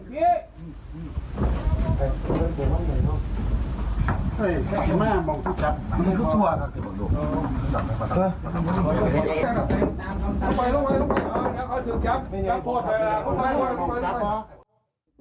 เดี๋ยวเขาถึงกับจับก็ไป